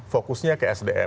fokusnya ke sdm